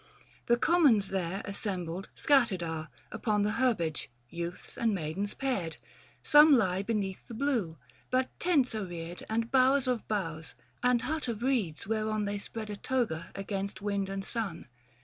The commons there assembled scattered are Upon the herbage, youths and maidens paired : 570 Some lie beneath the blue ; but tents are reared And bowers of boughs, and hut of reeds whereon They spread a toga against wind and sun.